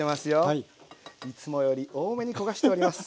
いつもより多めに焦がしております。